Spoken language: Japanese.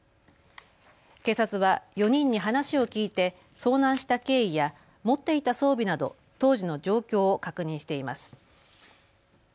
警察は４人に話を聞いて遭難した経緯や持っていた装備など当時の状況を確認しています。